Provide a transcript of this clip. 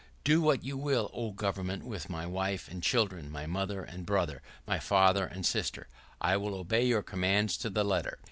Do what you will, O Government, with my wife and children, my mother and brother, my father and sister, I will obey your commands to the letter.